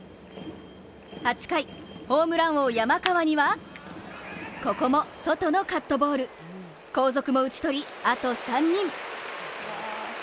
８回、ホームラン王の山川にはここも外のカットボール、後続も打ち取り、あと３人。